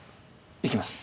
行きます。